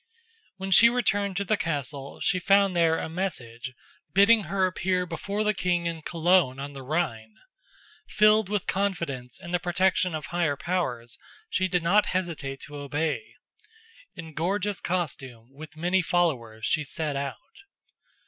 When she returned to the castle she found there a message, bidding her appear before the king in Cologne on the Rhine. Filled with confidence in the protection of higher powers, she did not hesitate to obey. In gorgeous costume, with many followers, she set out.